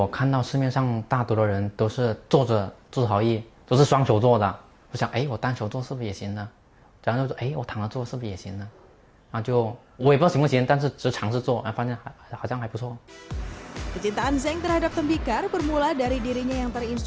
kecintaan zeng terhadap tembikar bermula dari dirinya yang terins